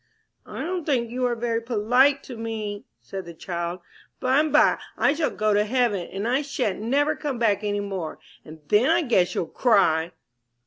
"I don't think you are very polite to me," said the child. "Bime by I shall go to heaven, and I shan't never come back any more, and then I guess you'll cry."